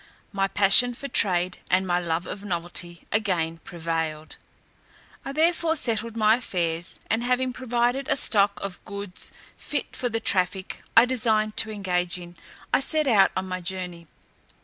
My passion for trade, and my love of novelty, again prevailed. I therefore settled my affairs, and having provided a stock of goods fit for the traffic I designed to engage in, I set out on my journey.